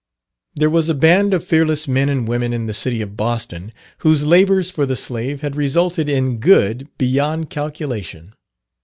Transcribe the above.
There was a band of fearless men and women in the city of Boston, whose labours for the slave had resulted in good beyond calculation.